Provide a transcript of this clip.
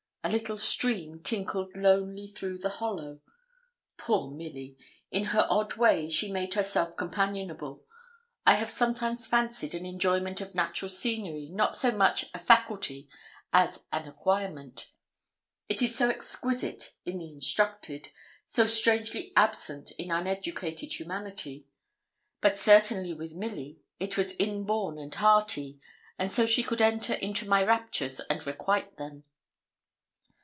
A little stream tinkled lonely through the hollow. Poor Milly! In her odd way she made herself companionable. I have sometimes fancied an enjoyment of natural scenery not so much a faculty as an acquirement. It is so exquisite in the instructed, so strangely absent in uneducated humanity. But certainly with Milly it was inborn and hearty; and so she could enter into my raptures, and requite them.